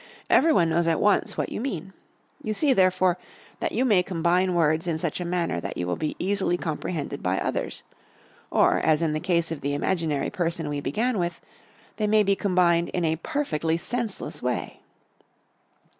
Every one knows at once what you mean. You see, therefore, that you may combine words in such a manner that you will be easily comprehended by others; or, as in the case of the imaginary person we began with, they may be combined in a perfectly senseless way.